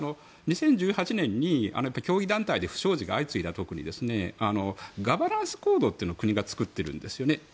２０１８年に競技団体で不祥事が相次いだ時にガバナンスコードというのを国が作っているんですね。